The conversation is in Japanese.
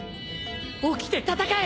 起きて戦え！